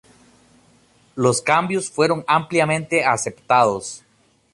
Los cambios fueron ampliamente aceptados.